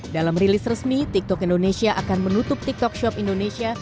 dalam rilis resmi tiktok indonesia akan menutup tiktok shop indonesia